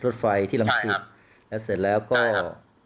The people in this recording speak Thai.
รถไฟที่ลำสิบใช่ครับแล้วเสร็จแล้วก็ใช่ครับ